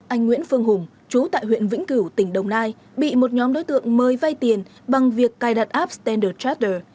anh nguyễn phương hùng chú tại huyện vĩnh cửu tỉnh đồng nai bị một nhóm đối tượng mời vay tiền bằng việc cài đặt app stander trader